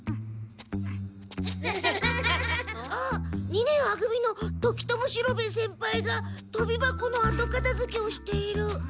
二年は組の時友四郎兵衛先輩がとび箱のあとかたづけをしている。